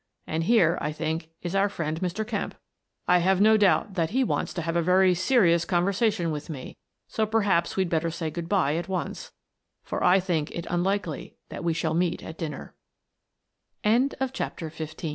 And here, I think, is our friend Mr. Kemp. I have no doubt that he wants to have a very serious conversation with me, so perhaps we'd better say good bye at once, for I think it unlikely that we shall meet at dinner/' CHAPT